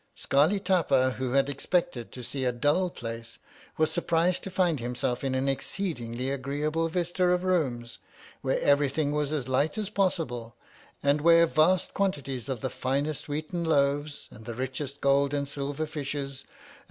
Scarli Tapa, who had expected to see a dull place, was surprised to find himself in an exceedingly agreeable vista ofrooms, where everything was as light as possible, and where vast quantities of the finest wheaten loaves, and the richest gold and silver fishes, and all VOL.